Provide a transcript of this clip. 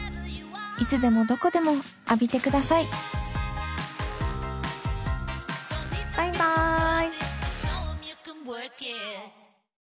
いつでもどこでも浴びてくださいバイバイ。